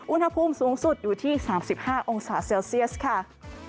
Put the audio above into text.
อุณหภูมิสูงสุดอยู่ที่๓๕องศาเซลเซียสค่ะ